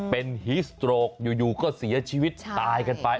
เป็นฮีสโตรกอยู่ก็เสียชีวิตตายกันไป